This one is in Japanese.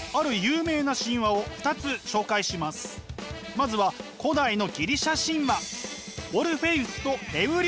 まずは古代のギリシャ神話。